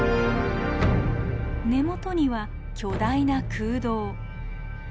根元には巨大な空洞。